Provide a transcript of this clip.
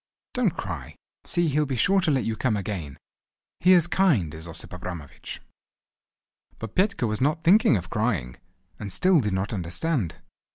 Don't cry! See, he'll be sure to let you come again. He is kind is Osip Abramovich." But Petka was not thinking of crying, and still did not understand.